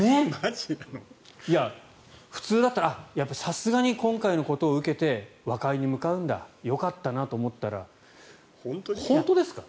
普通だったらさすがに今回のことを受けて和解に向かうんだよかったなと思ったら本当ですか？